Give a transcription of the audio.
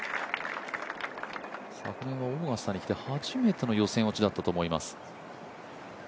昨年はオーガスタに来て初めての予選落ちだったと思います。